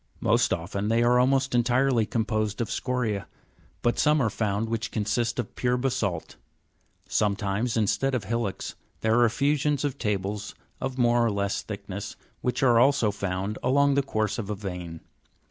Most often they are almost entirely composed of scoriae, but Fig. 27 '9. Hillocks on the course of some are found which consist of a vein. pure basa'lt. Sometimes, instead of hillocks, there are effusions of tables of more or less thickness (Jig. 280), which are also found along the course of a vein.